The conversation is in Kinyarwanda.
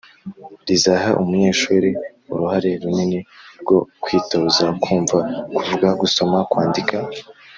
rizaha umunyeshuri uruhare runini rwo kwitoza kumva, kuvuga, gusoma, kwandika,